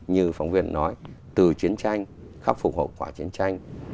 như phóng viên nói từ chiến tranh khắc phục hậu quả chiến tranh